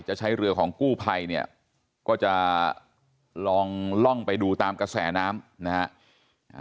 ใช้เรือของกู้ภัยเนี่ยก็จะลองล่องไปดูตามกระแสน้ำนะฮะ